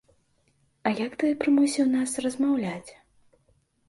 А як ты прымусіў нас размаўляць?